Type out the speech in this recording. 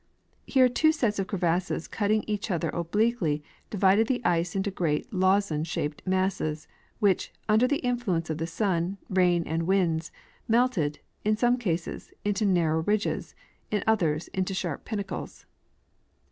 Here two sets of crevasses cutting each other obliquely divided the ice into great lozenge shaped masses, which, under the influence of the sun, rain and winds, melted, in some cases into narrow^ ridges, in others into sharp pinnacles.